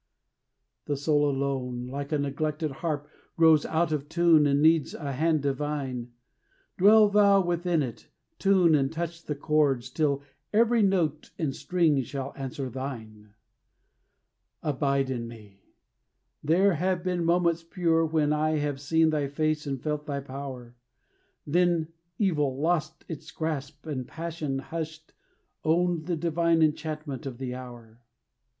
The soul alone, like a neglected harp, Grows out of tune, and needs a hand divine; Dwell thou within it, tune, and touch the chords, Till every note and string shall answer thine. Abide in me; there have been moments pure When I have seen thy face and felt thy power; Then evil lost its grasp, and passion, hushed, Owned the divine enchantment of the hour.